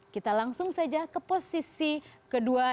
kita langsung saja ke posisi kedua